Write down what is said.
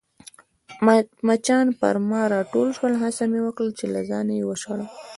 مچان پر ما راټول شول، هڅه مې وکړل چي له ځانه يې وشړم.